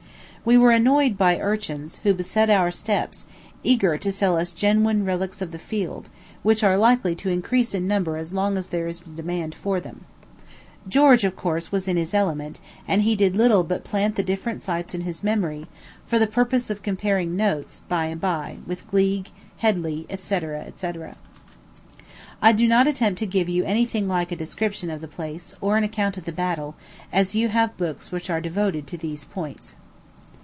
We were annoyed by urchins, who beset our steps, eager to sell us genuine relics of the field, which are likely to increase in number as long as there is a demand for them. George, of course, was in his element, and he did little but plant the different sites in his memory, for the purpose of comparing notes, by and by, with Gleig, Headley, &c., &c. I do not attempt to give you any thing like a description of the place, or an account of the battle, as you have books which are devoted to these points.